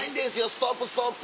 ストップストップ。